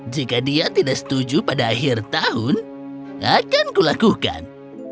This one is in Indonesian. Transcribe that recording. jika dia tidak setuju pada akhir tahun akan kulakukan